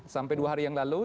sampai dua hari yang lalu